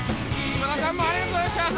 今田さんもありがとうございました！